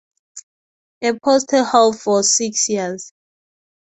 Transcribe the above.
A post he held for six years.